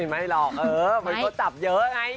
ไม่หรอกเออมันก็จับเยอะไง